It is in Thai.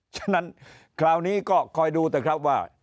ฉะนั้นคราวนี้ก็คอยดูเถอะครับว่า